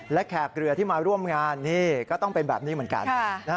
และแขกเรือที่มาร่วมงานนี่ก็ต้องเป็นแบบนี้เหมือนกัน